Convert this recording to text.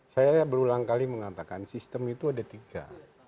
saya berulang kali mengatakan sistem itu ada tiga